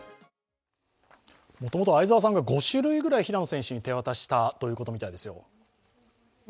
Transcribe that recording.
もともと相澤さんが５種類くらい平野さんに手渡したということらしいですよ。